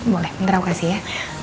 boleh ntar aku kasih ya